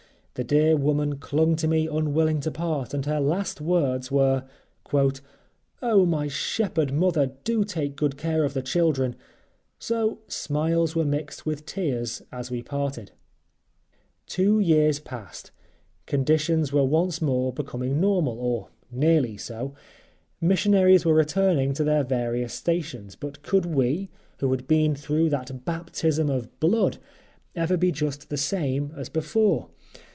The dear woman clung to me unwilling to part and her last words were: "Oh, my Shepherd Mother, do take good care of the children!" So smiles were mixed with tears as we parted. Two years passed. Conditions were once more becoming normal, or nearly so. Missionaries were returning to their various stations, but could we, who had been through that Baptism of Blood, ever be just the same as before?